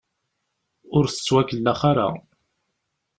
Ur tettwakellax ara.